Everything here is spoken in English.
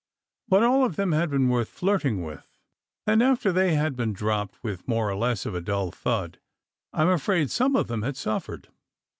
But all of them had been worth flirting with; and after they had been dropped with more or less of a dull thud, I m afraid some of them had suffered.